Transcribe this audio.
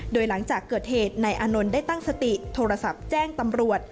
โดยหลังจากเกิดเหตุนายอานนท์ได้ตั้งสติโทรศัพท์แจ้งตำรวจ